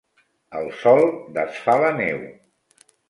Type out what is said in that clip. El sol desfà la neu.